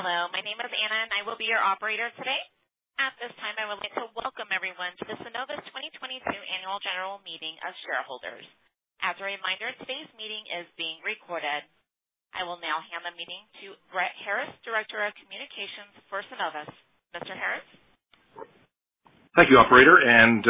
Hello. My name is Anna, and I will be your operator today. At this time, I would like to welcome everyone to the Cenovus 2022 Annual General Meeting of shareholders. As a reminder, today's meeting is being recorded. I will now hand the meeting to Brett Harris, Director of Communications for Cenovus. Mr. Harris? Thank you, Operator, and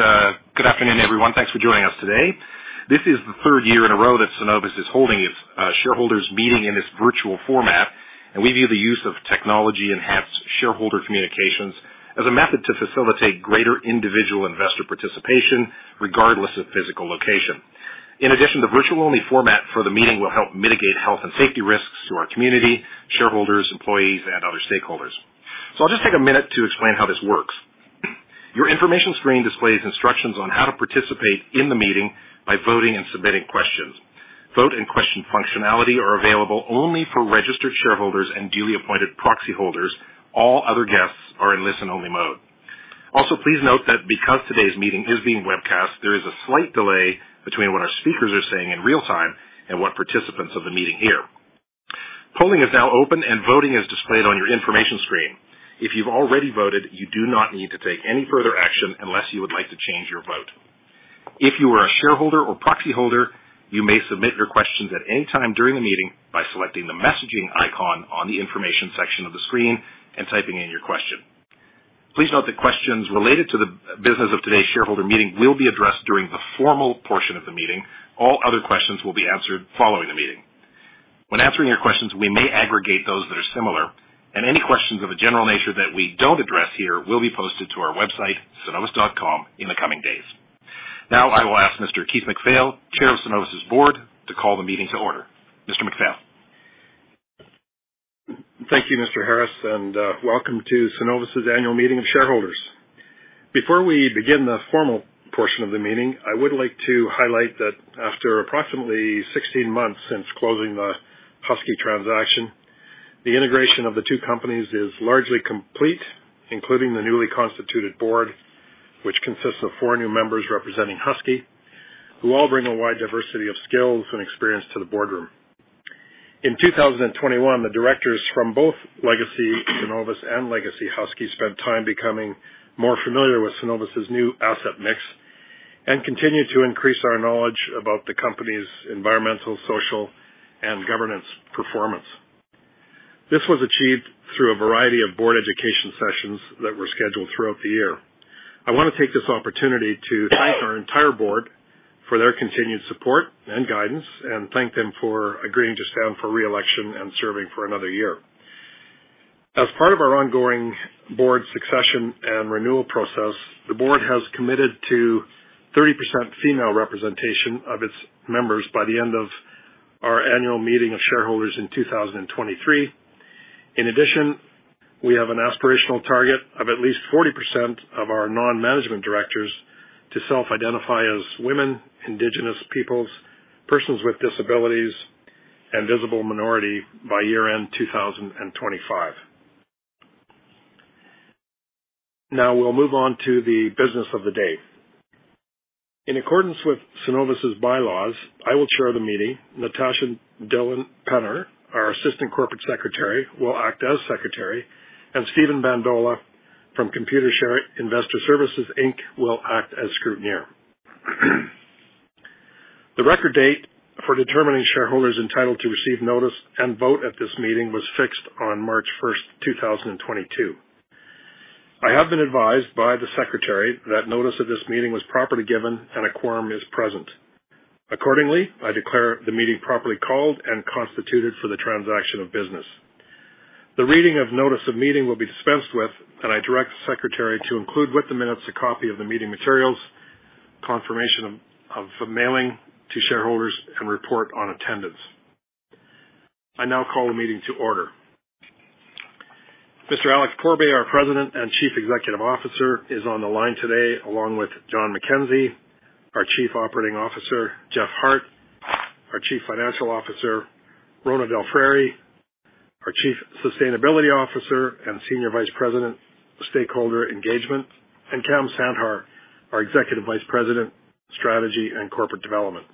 good afternoon, everyone. Thanks for joining us today. This is the third year in a row that Cenovus is holding its shareholders' meeting in this virtual format, and we view the use of technology-enhanced shareholder communications as a method to facilitate greater individual investor participation, regardless of physical location. In addition, the virtual-only format for the meeting will help mitigate health and safety risks to our community, shareholders, employees, and other stakeholders. I will just take a minute to explain how this works. Your information screen displays instructions on how to participate in the meeting by voting and submitting questions. Vote and question functionality are available only for registered shareholders and duly appointed proxy holders. All other guests are in listen-only mode. Also, please note that because today's meeting is being webcast, there is a slight delay between what our speakers are saying in real time and what participants of the meeting hear. Polling is now open, and voting is displayed on your information screen. If you've already voted, you do not need to take any further action unless you would like to change your vote. If you are a shareholder or proxy holder, you may submit your questions at any time during the meeting by selecting the messaging icon on the information section of the screen and typing in your question. Please note that questions related to the business of today's shareholder meeting will be addressed during the formal portion of the meeting. All other questions will be answered following the meeting. When answering your questions, we may aggregate those that are similar, and any questions of a general nature that we do not address here will be posted to our website, cenovus.com, in the coming days. Now, I will ask Mr. Keith MacPhail, Chair of Cenovus' Board, to call the meeting to order. Mr. MacPhail. Thank you, Mr. Harris, and welcome to Cenovus' Annual Meeting of Shareholders. Before we begin the formal portion of the meeting, I would like to highlight that after approximately 16 months since closing the Husky transaction, the integration of the two companies is largely complete, including the newly constituted board, which consists of four new members representing Husky, who all bring a wide diversity of skills and experience to the boardroom. In 2021, the directors from both Legacy Cenovus and Legacy Husky spent time becoming more familiar with Cenovus' new asset mix and continue to increase our knowledge about the company's environmental, social, and governance performance. This was achieved through a variety of board education sessions that were scheduled throughout the year. I want to take this opportunity to thank our entire board for their continued support and guidance and thank them for agreeing to stand for reelection and serving for another year. As part of our ongoing board succession and renewal process, the board has committed to 30% female representation of its members by the end of our annual meeting of shareholders in 2023. In addition, we have an aspirational target of at least 40% of our non-management directors to self-identify as women, Indigenous peoples, persons with disabilities, and visible minority by year-end 2025. Now, we'll move on to the business of the day. In accordance with Cenovus' bylaws, I will chair the meeting. Natasha Dhillon-Penner, our Assistant Corporate Secretary, will act as Secretary, and Stephen Bandola from Computershare Investor Services, Inc., will act as Scrutineer. The record date for determining shareholders entitled to receive notice and vote at this meeting was fixed on March 1st, 2022. I have been advised by the Secretary that notice of this meeting was properly given and a quorum is present. Accordingly, I declare the meeting properly called and constituted for the transaction of business. The reading of notice of meeting will be dispensed with, and I direct the Secretary to include with the minutes a copy of the meeting materials, confirmation of mailing to shareholders, and report on attendance. I now call the meeting to order. Mr. Alex Pourbaix, our President and Chief Executive Officer, is on the line today, along with John McKenzie, our Chief Operating Officer, Jeff Hart, our Chief Financial Officer, Rhona DelFrari, our Chief Sustainability Officer and Senior Vice President, Stakeholder Engagement, and Kam Sandhar, our Executive Vice President, Strategy and Corporate Development.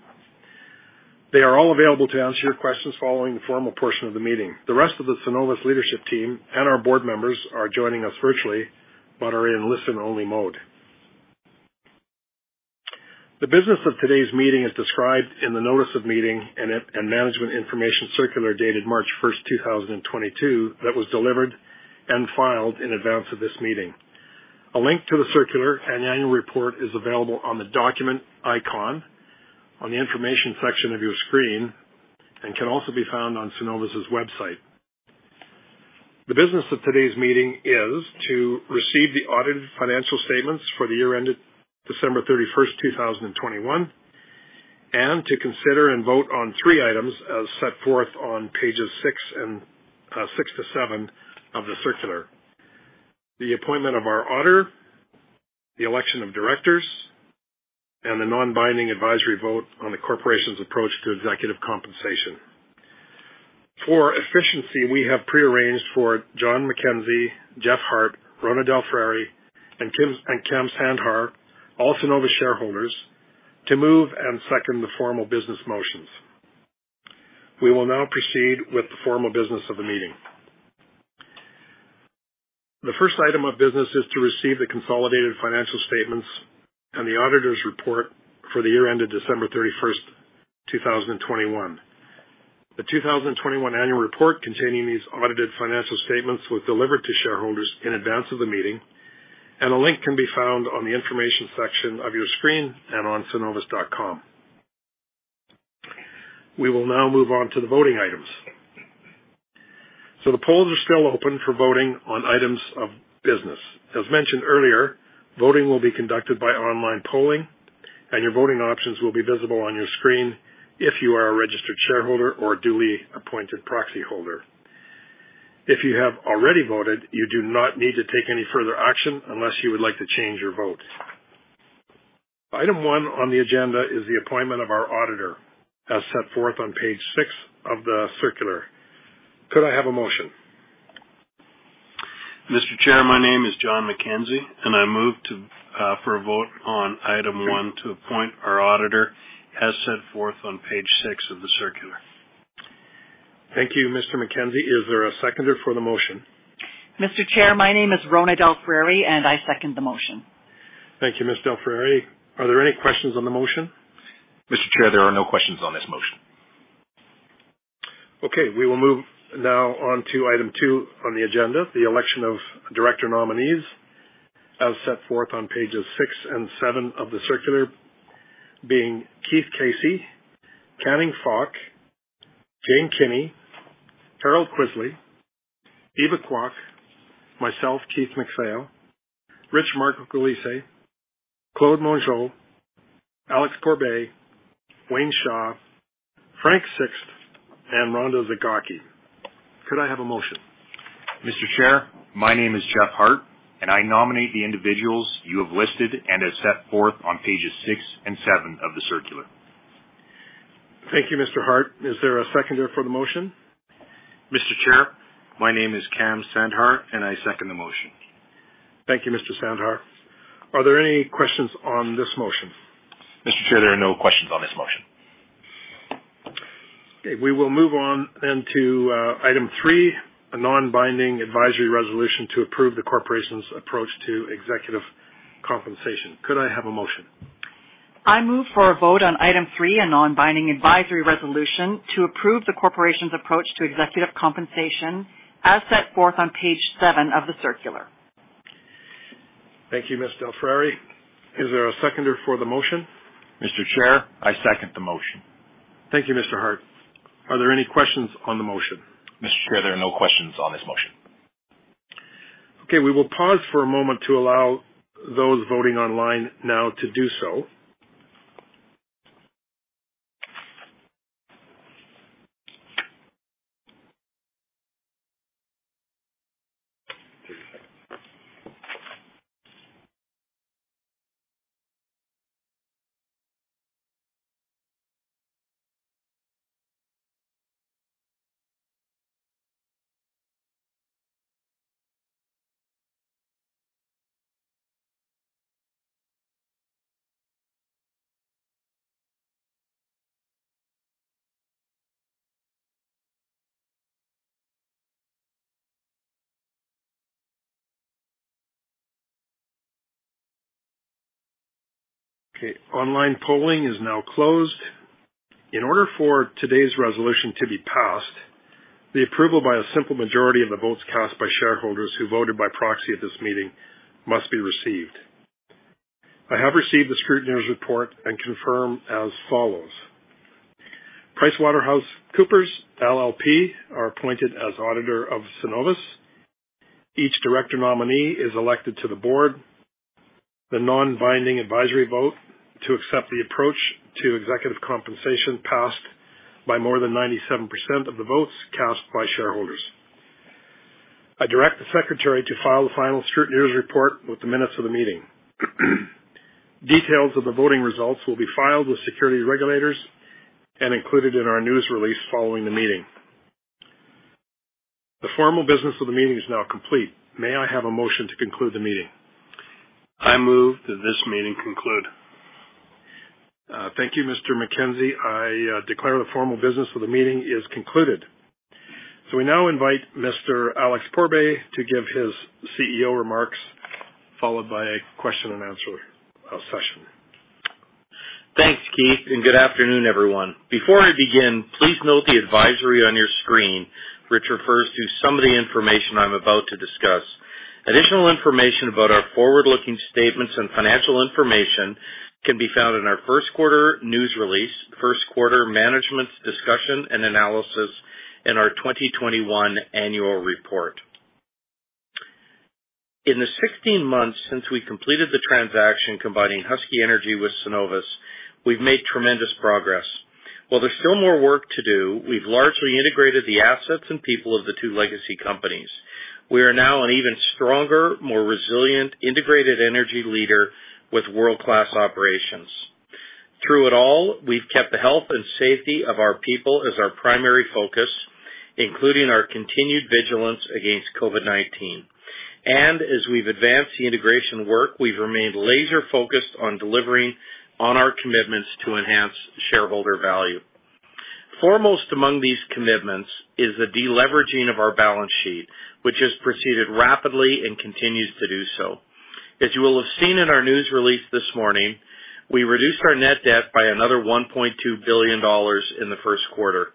They are all available to answer your questions following the formal portion of the meeting. The rest of the Cenovus leadership team and our board members are joining us virtually but are in listen-only mode. The business of today's meeting is described in the notice of meeting and management information circular dated March 1st, 2022, that was delivered and filed in advance of this meeting. A link to the circular and annual report is available on the document icon on the information section of your screen and can also be found on Cenovus' website. The business of today's meeting is to receive the audited financial statements for the year-ended December 31st, 2021, and to consider and vote on three items as set forth on pages six to seven of the circular: the appointment of our auditor, the election of directors, and the non-binding advisory vote on the corporation's approach to executive compensation. For efficiency, we have prearranged for John McKenzie, Jeff Hart, Rhona DelFrari, and Kam Sandhar, all Cenovus shareholders, to move and second the formal business motions. We will now proceed with the formal business of the meeting. The first item of business is to receive the consolidated financial statements and the auditor's report for the year-ended December 31st, 2021. The 2021 annual report containing these audited financial statements was delivered to shareholders in advance of the meeting, and a link can be found on the information section of your screen and on cenovus.com. We will now move on to the voting items. The polls are still open for voting on items of business. As mentioned earlier, voting will be conducted by online polling, and your voting options will be visible on your screen if you are a registered shareholder or duly appointed proxy holder. If you have already voted, you do not need to take any further action unless you would like to change your vote. Item one on the agenda is the appointment of our auditor, as set forth on page six of the circular. Could I have a motion? Mr. Chair, my name is Jon McKenzie, and I move for a vote on item one to appoint our auditor, as set forth on page six of the circular. Thank you, Mr. McKenzie. Is there a seconder for the motion? Mr. Chair, my name is Rhona DelFrari, and I second the motion. Thank you, Ms. DelFrari. Are there any questions on the motion? Mr. Chair, there are no questions on this motion. Okay. We will move now on to item two on the agenda, the election of director nominees, as set forth on pages six and seven of the circular, being Keith Casey, Kenneth Fok, Jane Kinnear, Carol Howes, Eva Kwok, myself, Keith MacPhail, Richard Marcogliese, Claude Mongeau, Alex Pourbaix, Wayne Shaw, Frank Sixt, and Rhona DelFrari. Could I have a motion? Mr. Chair, my name is Jeff Hart, and I nominate the individuals you have listed and as set forth on pages six and seven of the circular. Thank you, Mr. Hart. Is there a seconder for the motion? Mr. Chair, my name is Kam Sandhar, and I second the motion. Thank you, Mr. Sandhar. Are there any questions on this motion? Mr. Chair, there are no questions on this motion. Okay. We will move on then to item three, a non-binding advisory resolution to approve the corporation's approach to executive compensation. Could I have a motion? I move for a vote on item three, a non-binding advisory resolution to approve the corporation's approach to executive compensation, as set forth on page seven of the circular. Thank you, Ms. DelFrari. Is there a seconder for the motion? Mr. Chair, I second the motion. Thank you, Mr. Hart. Are there any questions on the motion? Mr. Chair, there are no questions on this motion. Okay. We will pause for a moment to allow those voting online now to do so. Okay. Online polling is now closed. In order for today's resolution to be passed, the approval by a simple majority of the votes cast by shareholders who voted by proxy at this meeting must be received. I have received the scrutineer's report and confirm as follows. PricewaterhouseCoopers LLP are appointed as auditor of Cenovus. Each director nominee is elected to the board. The non-binding advisory vote to accept the approach to executive compensation passed by more than 97% of the votes cast by shareholders. I direct the Secretary to file the final scrutineer's report with the minutes of the meeting. Details of the voting results will be filed with security regulators and included in our news release following the meeting. The formal business of the meeting is now complete. May I have a motion to conclude the meeting? I move that this meeting conclude. Thank you, Mr. McKenzie. I declare the formal business of the meeting is concluded. We now invite Mr. Alex Pourbaix to give his CEO remarks, followed by a question-and-answer session. Thanks, Keith, and good afternoon, everyone. Before I begin, please note the advisory on your screen, which refers to some of the information I'm about to discuss. Additional information about our forward-looking statements and financial information can be found in our first quarter news release, first quarter management's discussion and analysis, and our 2021 annual report. In the 16 months since we completed the transaction combining Husky Energy with Cenovus, we've made tremendous progress. While there's still more work to do, we've largely integrated the assets and people of the two legacy companies. We are now an even stronger, more resilient, integrated energy leader with world-class operations. Through it all, we've kept the health and safety of our people as our primary focus, including our continued vigilance against COVID-19. As we've advanced the integration work, we've remained laser-focused on delivering on our commitments to enhance shareholder value. Foremost among these commitments is the deleveraging of our balance sheet, which has proceeded rapidly and continues to do so. As you will have seen in our news release this morning, we reduced our net debt by another $1.2 billion in the first quarter.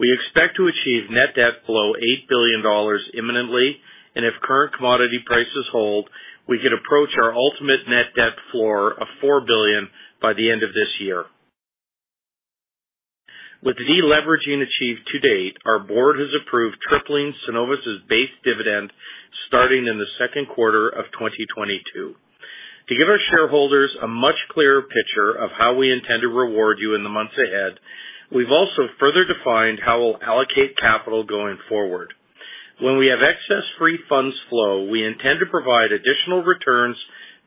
We expect to achieve net debt below $8 billion imminently, and if current commodity prices hold, we could approach our ultimate net debt floor of $4 billion by the end of this year. With the deleveraging achieved to date, our board has approved tripling Cenovus' base dividend starting in the second quarter of 2022. To give our shareholders a much clearer picture of how we intend to reward you in the months ahead, we've also further defined how we'll allocate capital going forward. When we have excess free funds flow, we intend to provide additional returns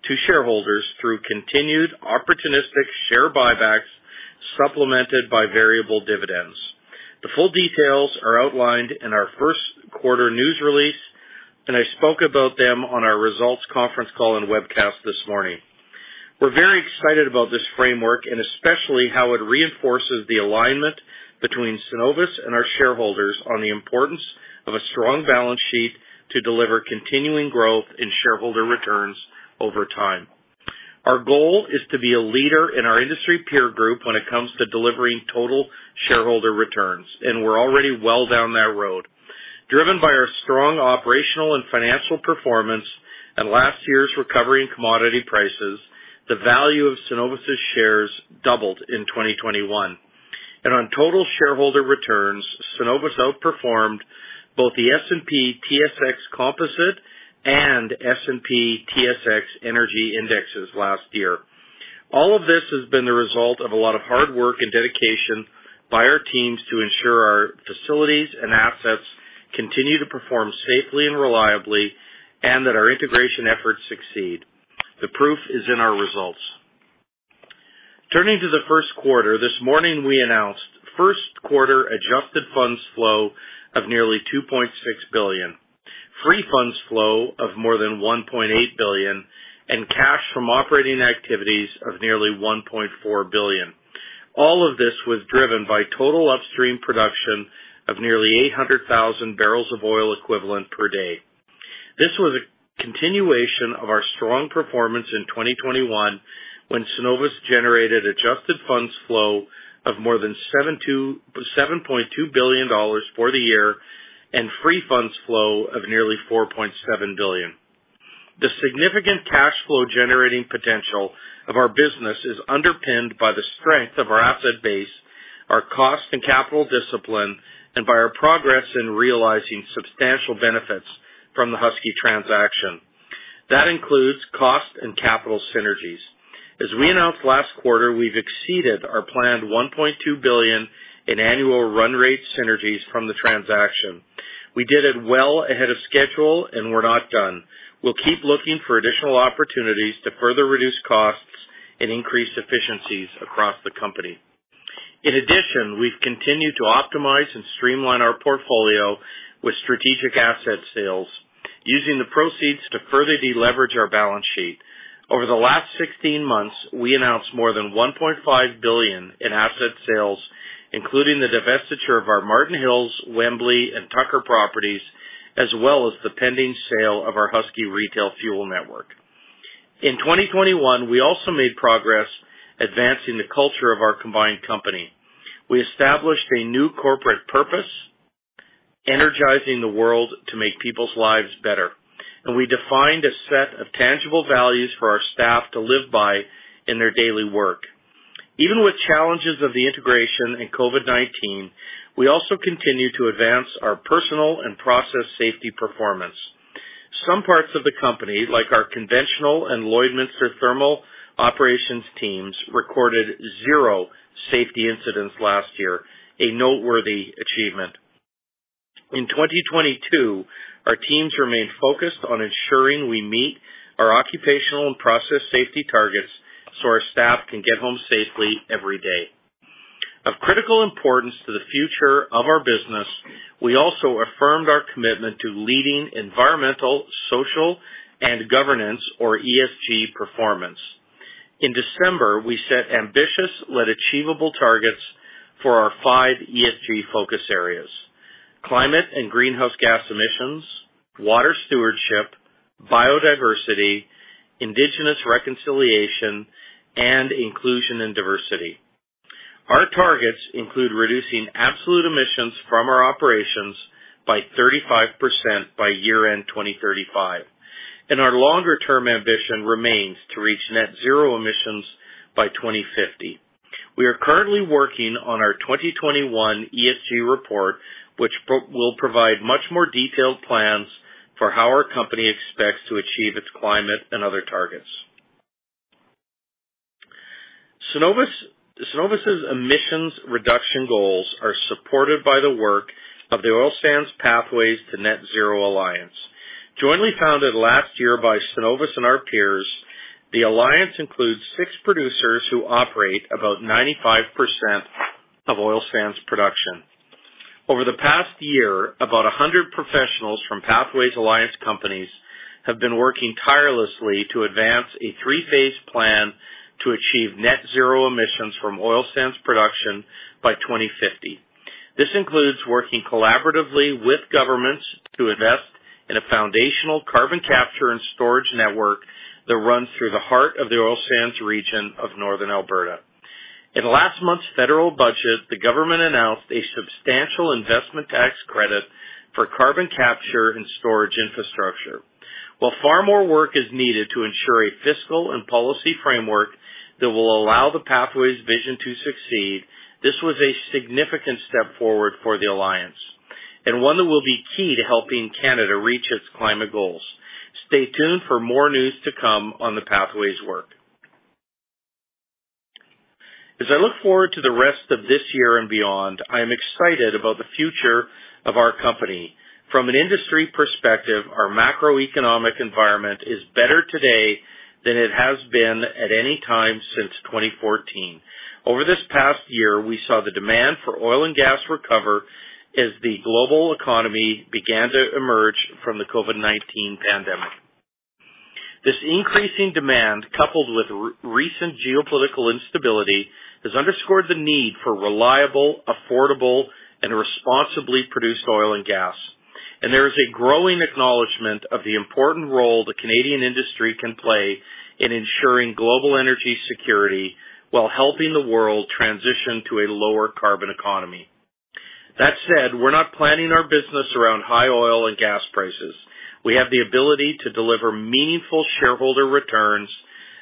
to shareholders through continued opportunistic share buybacks supplemented by variable dividends. The full details are outlined in our first quarter news release, and I spoke about them on our results conference call and webcast this morning. We are very excited about this framework and especially how it reinforces the alignment between Cenovus and our shareholders on the importance of a strong balance sheet to deliver continuing growth in shareholder returns over time. Our goal is to be a leader in our industry peer group when it comes to delivering total shareholder returns, and we are already well down that road. Driven by our strong operational and financial performance and last year's recovering commodity prices, the value of Cenovus' shares doubled in 2021. On total shareholder returns, Cenovus outperformed both the S&P TSX Composite and S&P TSX Energy Indexes last year. All of this has been the result of a lot of hard work and dedication by our teams to ensure our facilities and assets continue to perform safely and reliably and that our integration efforts succeed. The proof is in our results. Turning to the first quarter, this morning we announced first quarter adjusted funds flow of nearly $2.6 billion, free funds flow of more than $1.8 billion, and cash from operating activities of nearly $1.4 billion. All of this was driven by total upstream production of nearly 800,000 barrels of oil equivalent per day. This was a continuation of our strong performance in 2021 when Cenovus generated adjusted funds flow of more than $7.2 billion for the year and free funds flow of nearly $4.7 billion. The significant cash flow generating potential of our business is underpinned by the strength of our asset base, our cost and capital discipline, and by our progress in realizing substantial benefits from the Husky transaction. That includes cost and capital synergies. As we announced last quarter, we've exceeded our planned $1.2 billion in annual run rate synergies from the transaction. We did it well ahead of schedule and we're not done. We'll keep looking for additional opportunities to further reduce costs and increase efficiencies across the company. In addition, we've continued to optimize and streamline our portfolio with strategic asset sales, using the proceeds to further deleverage our balance sheet. Over the last 16 months, we announced more than $1.5 billion in asset sales, including the divestiture of our Martin Hills, Wembley, and Tucker properties, as well as the pending sale of our Husky retail fuel network. In 2021, we also made progress advancing the culture of our combined company. We established a new corporate purpose, energizing the world to make people's lives better. We defined a set of tangible values for our staff to live by in their daily work. Even with challenges of the integration and COVID-19, we also continue to advance our personal and process safety performance. Some parts of the company, like our conventional and Lloydminster thermal operations teams, recorded zero safety incidents last year, a noteworthy achievement. In 2022, our teams remained focused on ensuring we meet our occupational and process safety targets so our staff can get home safely every day. Of critical importance to the future of our business, we also affirmed our commitment to leading environmental, social, and governance, or ESG, performance. In December, we set ambitious yet achievable targets for our five ESG focus areas: climate and greenhouse gas emissions, water stewardship, biodiversity, indigenous reconciliation, and inclusion and diversity. Our targets include reducing absolute emissions from our operations by 35% by year-end 2035. Our longer-term ambition remains to reach net zero emissions by 2050. We are currently working on our 2021 ESG report, which will provide much more detailed plans for how our company expects to achieve its climate and other targets. Cenovus' emissions reduction goals are supported by the work of the Oil Sands Pathways to Net Zero Alliance. Jointly founded last year by Cenovus and our peers, the alliance includes six producers who operate about 95% of Oil Sands production. Over the past year, about 100 professionals from Pathways Alliance companies have been working tirelessly to advance a three-phase plan to achieve net zero emissions from Oil Sands production by 2050. This includes working collaboratively with governments to invest in a foundational carbon capture and storage network that runs through the heart of the Oil Sands region of Northern Alberta. In last month's federal budget, the government announced a substantial investment tax credit for carbon capture and storage infrastructure. While far more work is needed to ensure a fiscal and policy framework that will allow the Pathways vision to succeed, this was a significant step forward for the alliance and one that will be key to helping Canada reach its climate goals. Stay tuned for more news to come on the Pathways work. As I look forward to the rest of this year and beyond, I am excited about the future of our company. From an industry perspective, our macroeconomic environment is better today than it has been at any time since 2014. Over this past year, we saw the demand for oil and gas recover as the global economy began to emerge from the COVID-19 pandemic. This increasing demand, coupled with recent geopolitical instability, has underscored the need for reliable, affordable, and responsibly produced oil and gas. There is a growing acknowledgment of the important role the Canadian industry can play in ensuring global energy security while helping the world transition to a lower carbon economy. That said, we're not planning our business around high oil and gas prices. We have the ability to deliver meaningful shareholder returns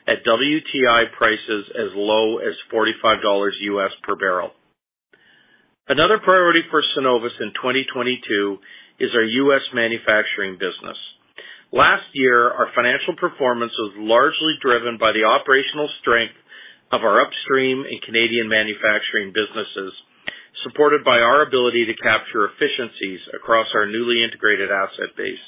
at WTI prices as low as $45 U.S. per barrel. Another priority for Cenovus in 2022 is our U.S. manufacturing business. Last year, our financial performance was largely driven by the operational strength of our upstream and Canadian manufacturing businesses, supported by our ability to capture efficiencies across our newly integrated asset base.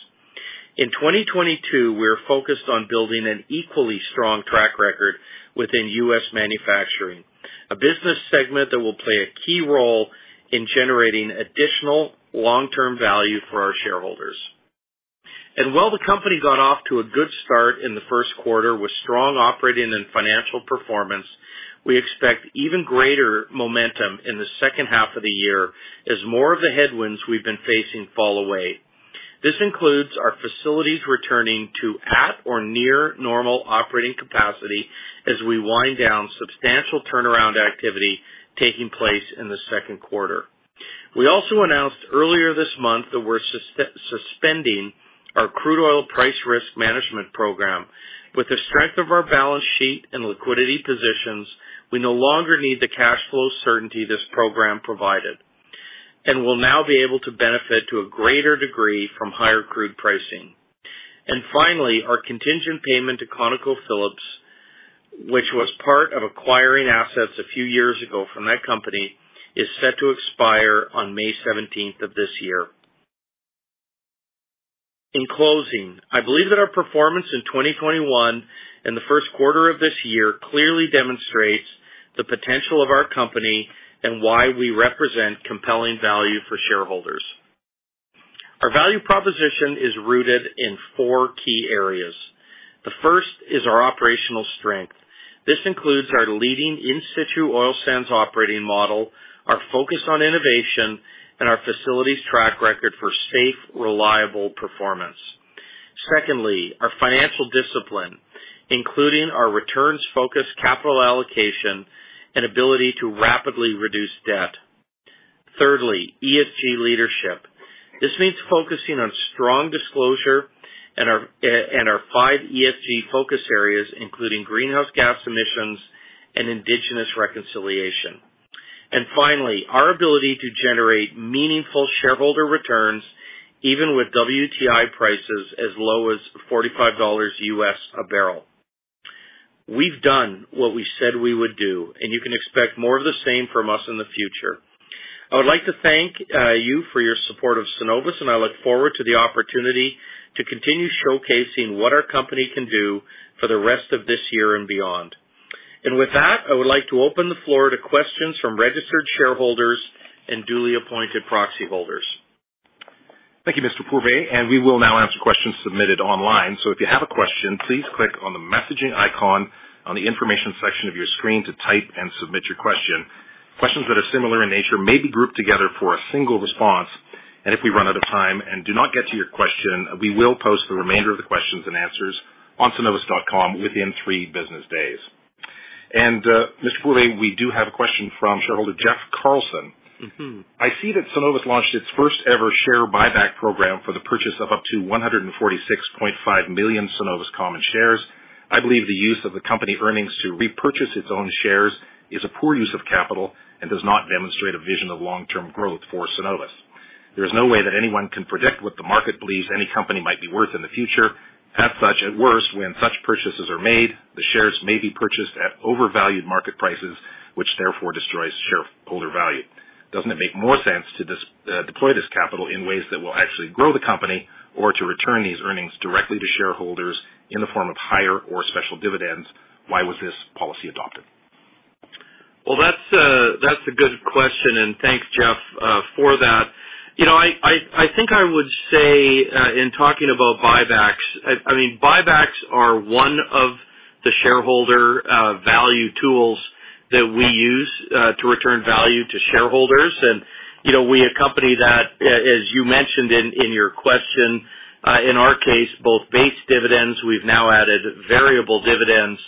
In 2022, we are focused on building an equally strong track record within U.S. manufacturing, a business segment that will play a key role in generating additional long-term value for our shareholders. While the company got off to a good start in the first quarter with strong operating and financial performance, we expect even greater momentum in the second half of the year as more of the headwinds we've been facing fall away. This includes our facilities returning to at or near normal operating capacity as we wind down substantial turnaround activity taking place in the second quarter. We also announced earlier this month that we're suspending our crude oil price risk management program. With the strength of our balance sheet and liquidity positions, we no longer need the cash flow certainty this program provided. We will now be able to benefit to a greater degree from higher crude pricing. Finally, our contingent payment to ConocoPhillips, which was part of acquiring assets a few years ago from that company, is set to expire on May 17th of this year. In closing, I believe that our performance in 2021 and the first quarter of this year clearly demonstrates the potential of our company and why we represent compelling value for shareholders. Our value proposition is rooted in four key areas. The first is our operational strength. This includes our leading in-situ oil sands operating model, our focus on innovation, and our facilities track record for safe, reliable performance. Secondly, our financial discipline, including our returns-focused capital allocation and ability to rapidly reduce debt. Thirdly, ESG leadership. This means focusing on strong disclosure and our five ESG focus areas, including greenhouse gas emissions and Indigenous reconciliation. Finally, our ability to generate meaningful shareholder returns even with WTI prices as low as $45 U.S. a barrel. We've done what we said we would do, and you can expect more of the same from us in the future. I would like to thank you for your support of Cenovus, and I look forward to the opportunity to continue showcasing what our company can do for the rest of this year and beyond. I would like to open the floor to questions from registered shareholders and duly appointed proxy holders. Thank you, Mr. Pourbaix, and we will now answer questions submitted online. If you have a question, please click on the messaging icon on the information section of your screen to type and submit your question. Questions that are similar in nature may be grouped together for a single response. If we run out of time and do not get to your question, we will post the remainder of the questions and answers on cenovus.com within three business days. Mr. Pourbaix, we do have a question from shareholder Jeff Carlson. I see that Cenovus launched its first-ever share buyback program for the purchase of up to 146.5 million Cenovus common shares. I believe the use of the company earnings to repurchase its own shares is a poor use of capital and does not demonstrate a vision of long-term growth for Cenovus. There is no way that anyone can predict what the market believes any company might be worth in the future. As such, at worst, when such purchases are made, the shares may be purchased at overvalued market prices, which therefore destroys shareholder value. Doesn't it make more sense to deploy this capital in ways that will actually grow the company or to return these earnings directly to shareholders in the form of higher or special dividends? Why was this policy adopted? That's a good question, and thanks, Jeff, for that. I think I would say in talking about buybacks, I mean, buybacks are one of the shareholder value tools that we use to return value to shareholders. We accompany that, as you mentioned in your question, in our case, both base dividends, we've now added variable dividends.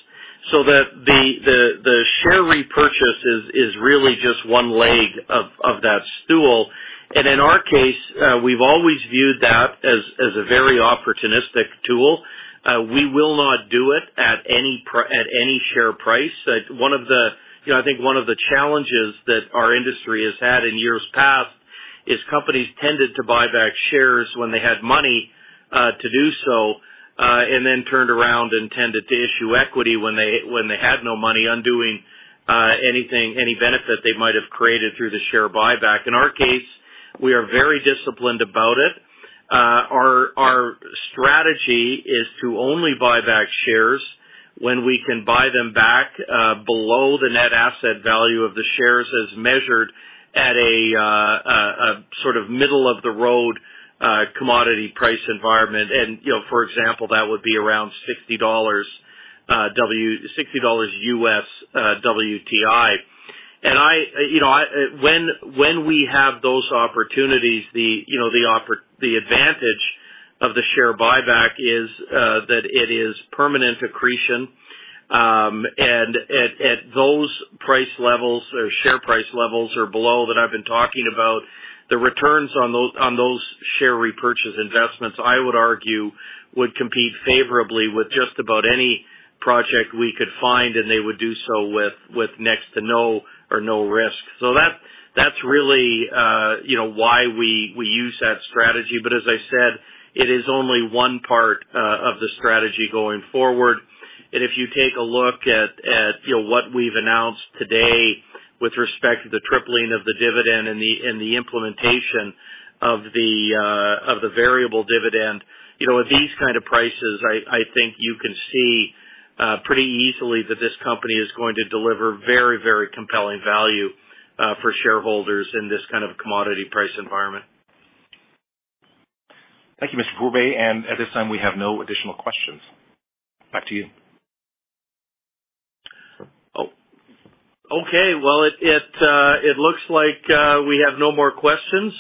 The share repurchase is really just one leg of that stool. In our case, we've always viewed that as a very opportunistic tool. We will not do it at any share price. One of the—I think one of the challenges that our industry has had in years past is companies tended to buy back shares when they had money to do so and then turned around and tended to issue equity when they had no money, undoing any benefit they might have created through the share buyback. In our case, we are very disciplined about it. Our strategy is to only buy back shares when we can buy them back below the net asset value of the shares as measured at a sort of middle-of-the-road commodity price environment. For example, that would be around $60 U.S. WTI. When we have those opportunities, the advantage of the share buyback is that it is permanent accretion. At those price levels, or share price levels, or below that I have been talking about, the returns on those share repurchase investments, I would argue, would compete favorably with just about any project we could find, and they would do so with next to no or no risk. That is really why we use that strategy. As I said, it is only one part of the strategy going forward. If you take a look at what we have announced today with respect to the tripling of the dividend and the implementation of the variable dividend, at these kind of prices, I think you can see pretty easily that this company is going to deliver very, very compelling value for shareholders in this kind of commodity price environment. Thank you, Mr. Pourbaix. And at this time, we have no additional questions. Back to you. Okay. It looks like we have no more questions.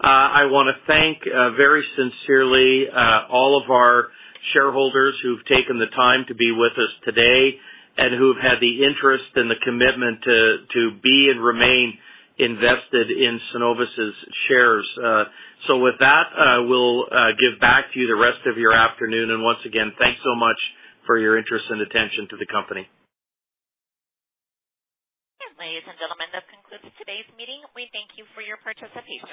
I want to thank very sincerely all of our shareholders who've taken the time to be with us today and who've had the interest and the commitment to be and remain invested in Cenovus' shares. With that, we'll give back to you the rest of your afternoon. Once again, thanks so much for your interest and attention to the company. Ladies and gentlemen, this concludes today's meeting. We thank you for your participation.